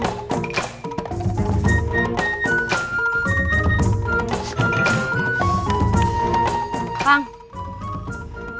kalau aku belum minum nanti nggak ada uang buat pulang